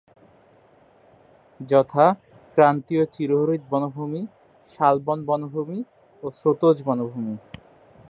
যথা: ক্রান্তীয় চিরহরিৎ বনভূমি, শালবন বনভূমি ও স্রোতজ বনভূমি।